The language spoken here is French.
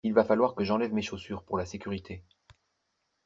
Il va falloir que j'enlève mes chaussures pour la sécurité.